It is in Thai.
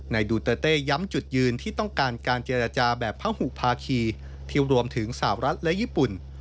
ดูเตอร์เต้ย้ำจุดยืนที่ต้องการการเจรจาแบบพระหุภาคีที่รวมถึงสาวรัฐและญี่ปุ่น